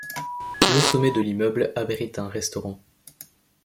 Le sommet de l'immeuble abrite un restaurant.